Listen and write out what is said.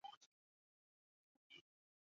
隋朝开皇十六年废州为易县。